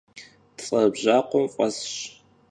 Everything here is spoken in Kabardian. Ts'e bjakhuem f'esş.